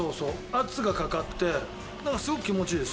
圧がかかってなんかすごく気持ちいいですね。